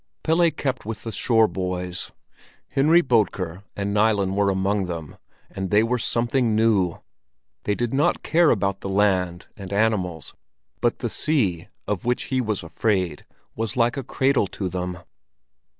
Pelle kept with the shore boys; Henry Bodker and Nilen were among them, and they were something new! They did not care about the land and animals, but the sea, of which he was afraid, was like a cradle to them.